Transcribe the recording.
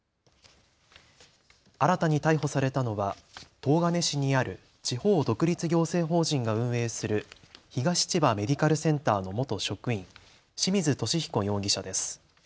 新たに逮捕されたのは東金市にある地方独立行政法人が運営する東千葉メディカルセンターの元職員、清水利彦容疑者です。